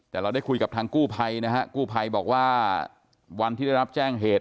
แต่เราได้คุยกับทางกู้ภัยนะฮะกู้ภัยบอกว่าวันที่ได้รับแจ้งเหตุ